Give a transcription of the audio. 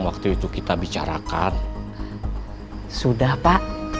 itute sudah jangan lupa